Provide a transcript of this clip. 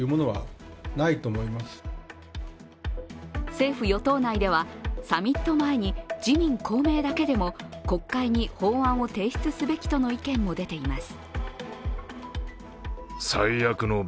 政府・与党内では、サミット前に自民・公明だけでも国会に法案を提出すべきとの意見も出ています。